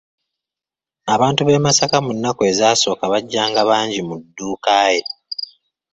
Abantu b'e masaka mu nnaku ezasooka bajjanga bangi mu dduuka ye.